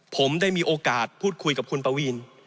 ผมได้มีโอกาสพูดคุยกับคุณปวีน